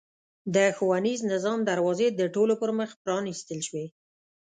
د ښوونیز نظام دروازې د ټولو پرمخ پرانېستل شوې.